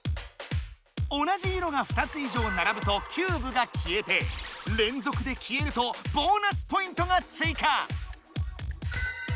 同じ色が２つ以上ならぶとキューブが消えてれんぞくで消えるとボーナスポイントがついか！